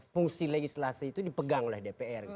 fungsi legislasi itu dipegang oleh dpr